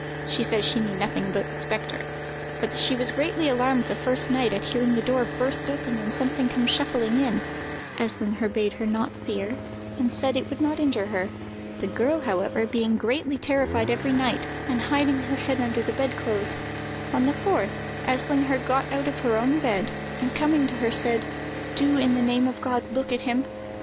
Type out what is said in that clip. She says she knew nothing about the spectre, but that she was greatly alarmed the first night at hearing the door burst open and something come shuffling in. Eslinger bade her not fear, and said that it would not injure her. The girl, however, being greatly terrified every night, and hiding her head under the bed clothes, on the fourth Eslinger got out of her own bed, and, coming to her, said: "Do, in the name of God, look at him!